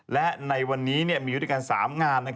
และในวันนี้มีอยู่ด้วยกัน๓งาน